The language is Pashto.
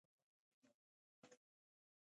افغانستان کې د خاوره په اړه زده کړه کېږي.